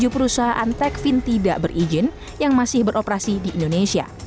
perusahaan tech fintech tidak berizin yang masih beroperasi di indonesia